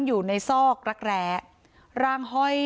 อยู่ในซอกรักแร้ร่างห้อย